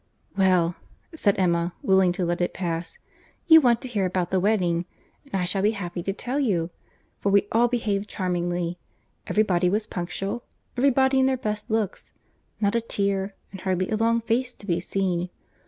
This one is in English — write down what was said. "Well," said Emma, willing to let it pass—"you want to hear about the wedding; and I shall be happy to tell you, for we all behaved charmingly. Every body was punctual, every body in their best looks: not a tear, and hardly a long face to be seen.